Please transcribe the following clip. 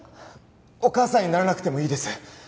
お母さんにならなくてもいいです